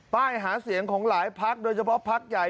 ป้ายหาเสียงของหลายพักโดยเฉพาะพักใหญ่